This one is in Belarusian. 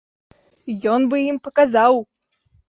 Ён бы ім паказаў!